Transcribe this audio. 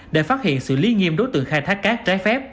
để phát hiện sự lý nghiêm đối tượng khai thác các trái phép